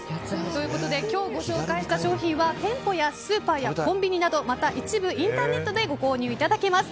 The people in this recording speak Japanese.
ということで今日ご紹介した商品は店舗、スーパー、コンビニなどまた一部はインターネットでご購入いただけます。